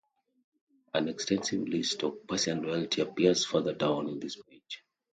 An extensive list of Persian royalty appears further down in this page.